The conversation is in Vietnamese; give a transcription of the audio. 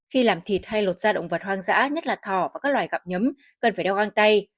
khi làm thịt hay lột da động vật hoang dã nhất là thỏ và các loài gặm nhấm cần phải đeo găng tay